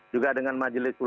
juga dengan majelis ulama